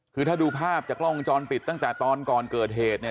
คือถ้าดูภาพจากกล้องวงจรปิดตั้งแต่ตอนก่อนเกิดเหตุเนี่ย